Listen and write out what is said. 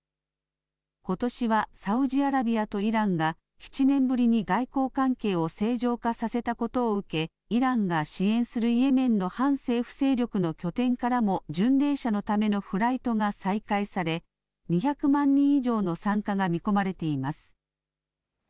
ことしはサウジアラビアとイランが７年ぶりに外交関係を正常化させたことを受け、イランが支援するイエメンの反政府勢力の拠点からも巡礼者のためのフライトが再開され、２００万人以上の参加が見込まれています。